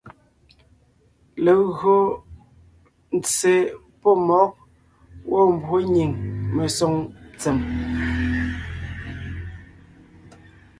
Legÿo ntse pɔ́ mmɔ̌g gwɔ̂ mbwó nyìŋ mesoŋ ntsèm,